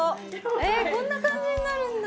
◆えー、こんな感じになるんだ。